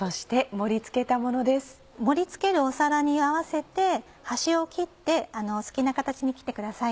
盛り付ける皿に合わせて端を切ってお好きな形に切ってください。